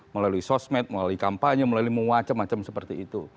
melalui sosmed melalui kampanye melalui muacem macem seperti itu